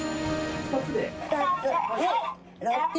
２つで。